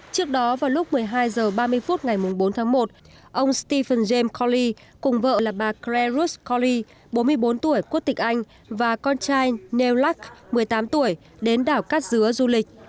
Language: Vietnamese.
trước đó vào lúc một mươi hai h ba mươi phút ngày bốn tháng một ông stephen james cawley cùng vợ là bà claire ruth cawley bốn mươi bốn tuổi quốc tịch anh và con trai neil luck một mươi tám tuổi đến đảo cát dứa du lịch